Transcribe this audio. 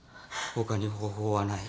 他に方法はない。